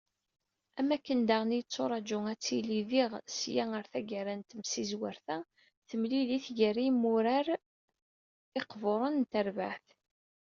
Am wakken daɣen i yetturaǧu ad tili diɣ sya ɣer taggara n temsizwert-a, temlilt gar yimurar iqburen n terbaεt.